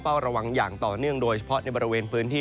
เฝ้าระวังอย่างต่อเนื่องโดยเฉพาะในบริเวณพื้นที่